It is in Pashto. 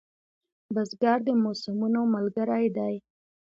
بزګر د موسمونو ملګری دی